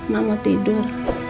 mak mau tidur